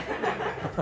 ハハハ。